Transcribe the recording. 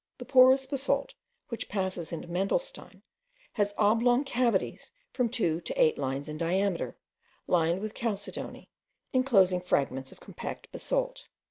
The porous basalt, which passes into mandelstein, has oblong cavities from two to eight lines in diameter, lined with chalcedony, enclosing fragments of compact basalt.